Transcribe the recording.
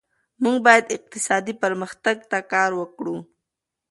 موږ باید اقتصادي پرمختګ ته کار وکړو.